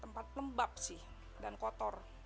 tempat lembab sih dan kotor